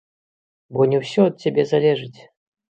Бо не ўсё ад цябе залежыць.